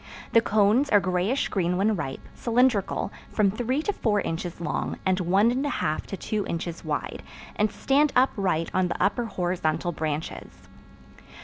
The cones are grayish green when ripe, cylindrical, from three to four inches long, and one and a half to two inches wide, and stand upright on the upper horizontal branches.